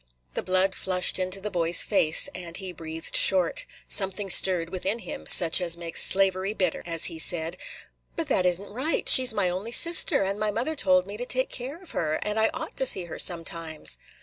The blood flushed into the boy's face, and he breathed short. Something stirred within him, such as makes slavery bitter, as he said, "But that is n't right. She 's my only sister, and my mother told me to take care of her; and I ought to see her sometimes."